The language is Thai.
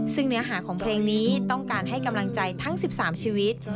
ซึ่งเนื้อหาของเพลงนี้ต้องการให้กำลังใจทั้ง๑๓ชีวิต